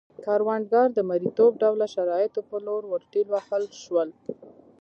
کروندګر د مریتوب ډوله شرایطو په لور ورټېل وهل شول.